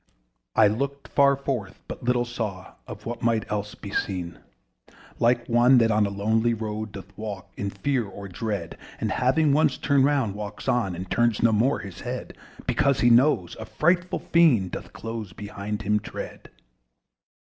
And looked far forth, yet little saw Of what had else been seen Like one that on a lonesome road Doth walk in fear and dread, And having once turned round walks on, And turns no more his head; Because he knows, a frightful fiend Doth close behind him tread.